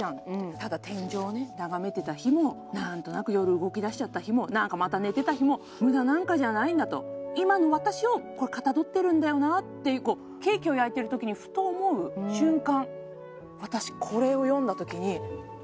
ただ天井を眺めてた日もなんとなく夜動きだしちゃった日も何かまた寝てた日も無駄なんかじゃないんだと今の私をかたどってるんだよなっていうこうケーキを焼いてる時にふと思う瞬間